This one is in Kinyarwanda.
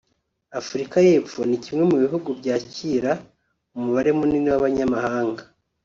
Afurika y’Epfo ni kimwe mu bihugu byakira umubare munini w’abanyamahanga